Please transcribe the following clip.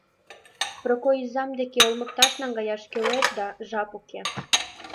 Прокой изам деке олмыкташ наҥгаяш кӱлеш да, жап уке.